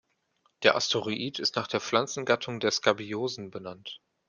Der Asteroid ist nach der Pflanzengattung der Skabiosen benannt.